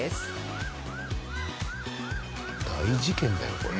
大事件だよこれ。